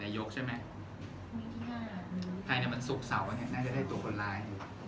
ถ้าใช่สุขแบบนี้จะได้ตัวคนร้าย